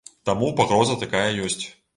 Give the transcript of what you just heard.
Таму пагроза такая ёсць.